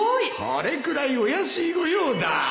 これくらいお安いご用だ